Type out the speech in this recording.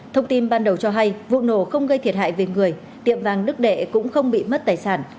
thông tin ban đầu cho hay vụ nổ không gây thiệt hại về người tiệm vàng đức đệ cũng không bị mất tài sản